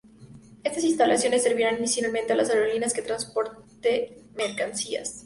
Estas instalaciones servirán inicialmente a las aerolíneas de transporte de mercancías.